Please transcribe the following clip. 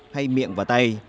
hay miệng và tay